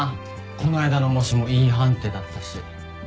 こないだの模試もＥ判定だったし。